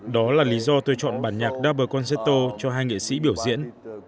đó là lý do tôi chọn bản nhạc double concerto cho hai nghệ sĩ biểu diễn